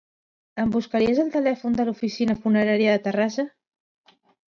Em buscaries el telèfon de l'oficina funerària de Terrassa?